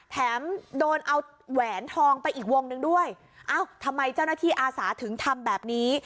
แถมโดนเอาแหวนทองไปอีกวงหนึ่งด้วยเอ้าทำไมเจ้าหน้าที่อาสาถึงทำแบบนี้